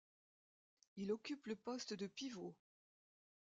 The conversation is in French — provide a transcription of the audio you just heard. Il occupe le poste de pivot.